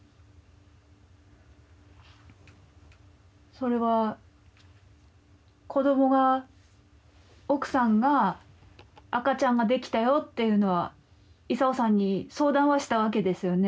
それは子どもが奥さんが赤ちゃんができたよっていうのは勲さんに相談はしたわけですよね？